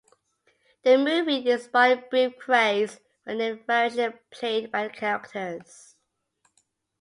The movie inspired a brief craze for the Nim variation played by the characters.